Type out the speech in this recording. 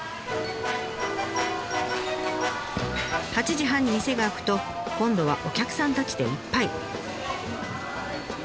８時半に店が開くと今度はお客さんたちでいっぱい。